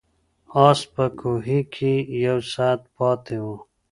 آس په کوهي کې یو ساعت پاتې و.